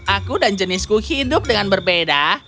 aku dan jenisku hidup dengan berbeda